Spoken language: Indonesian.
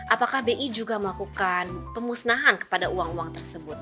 apakah bi juga melakukan pemusnahan kepada uang uang tersebut